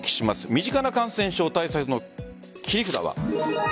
身近な感染症対策の切り札は。